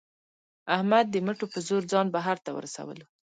احمد د مټو په زور ځان بهر ته ورسولو.